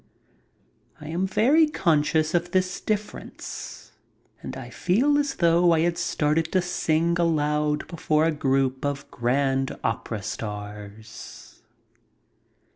I am very conscious of this difference, and I feel as though I had started to sing aloud before a group of grand opera stars.